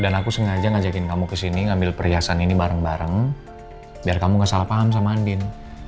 dan aku sengaja ngajakin kamu ke sini ngambil perhiasan ini bareng bareng biar kamu gak salah paham sama andien